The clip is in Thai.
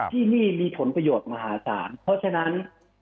ที่นี่มีผลประโยชน์มหาศาลเพราะฉะนั้น